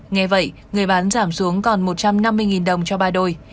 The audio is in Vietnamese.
nghe vậy người bán giảm xuống còn một trăm năm mươi đồng cho ba đôi